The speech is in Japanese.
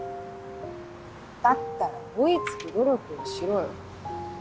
だったら追い付く努力をしろよ。